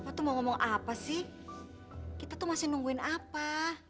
aku tuh mau ngomong apa sih kita tuh masih nungguin apa